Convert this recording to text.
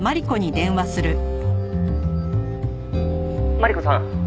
「マリコさん」